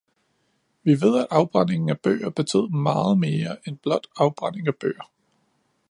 Vi ved, at afbrændingen af bøger betød meget mere end blot afbrænding af bøger.